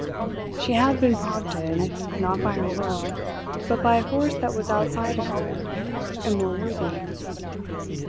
She had been prompted, not by her will, but by a force that was outside of her and more worthy.